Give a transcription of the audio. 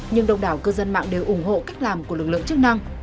nhưng đông đảo cư dân mạng đều ủng hộ cách làm của lực lượng chức năng